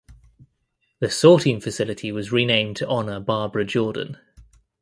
The sorting facility was renamed to honor Barbara Jordan.